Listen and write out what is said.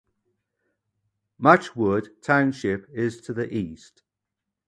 Matchwood Township is to the east.